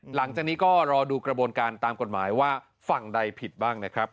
หลังจากนี้ก็รอดูกระบวนการตามกฎหมายว่าฝั่งใดผิดบ้างนะครับ